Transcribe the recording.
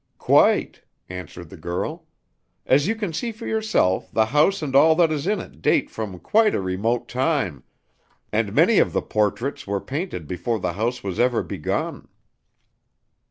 "Quite," answered the girl. "As you can see for yourself, the house and all that is in it date from quite a remote time, and many of the portraits were painted before the house was ever begun."